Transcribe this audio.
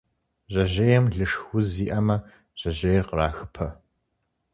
Жьэжьейм лышх уз иӏэмэ, жьэжьейр кърахыпэ.